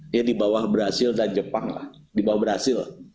dia di bawah brazil dan jepang lah di bawah brazil